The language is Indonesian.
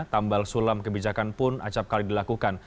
tambal sulam kebijakan pun acap kali dilakukan